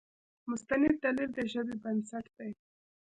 مستند دلیل د ژبې بنسټ دی.